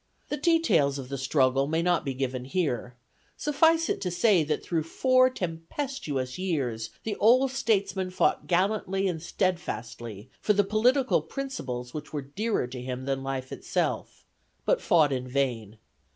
The details of the struggle may not be given here: suffice it to say that through four tempestuous years the old statesman fought gallantly and steadfastly for the political principles which were dearer to him than life itself, but fought in vain.